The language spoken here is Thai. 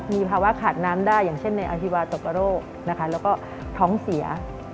มีภาวะขาดน้ำได้อย่างเช่นในอฮิวาตกโรคนะคะแล้วก็ท้องเสีย